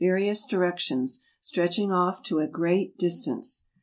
217 rious directions, stretching ofif to a great dis ance.